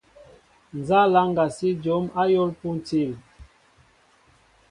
Nza laŋga si jǒm ayȏl pȗntil ?